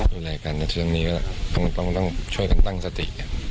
ดูแลกันดูแลกันทั้งนี้ก็ต้องช่วยกันตั้งสติ